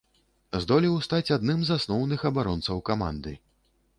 Здолеў стаць адным з асноўных абаронцаў каманды.